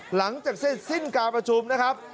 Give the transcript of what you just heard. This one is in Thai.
หลังจากเสร็จสิ้นการประชุมนะครับ